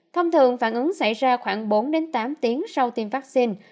thông thường phản ứng xảy ra khoảng bốn tám tiếng sau tiêm vaccine